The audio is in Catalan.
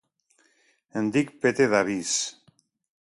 Em dic Pete Davis.